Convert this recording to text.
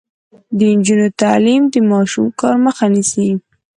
د نجونو تعلیم د ماشوم کار مخه نیسي.